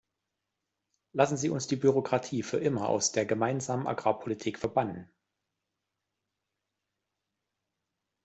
Lassen Sie uns die Bürokratie für immer aus der Gemeinsamen Agrarpolitik verbannen.